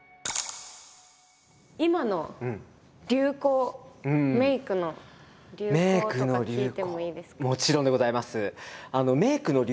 今の流行メイクの流行とか聞いてもいいですか？